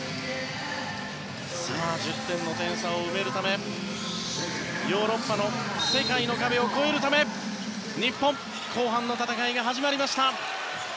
１０点の点差を埋めるためヨーロッパの世界の壁を超えるため日本、後半の戦いが始まりました。